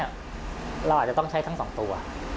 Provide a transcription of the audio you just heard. เราอาจจะต้องใช้ทั้ง๒ตัว